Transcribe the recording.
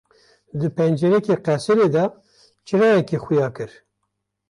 Di pencereke qesirê de çirayekê xuya kir.